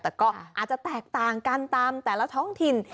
แต่ก็อาจจะแตกต่างกันตามแต่ละท้องถิ่น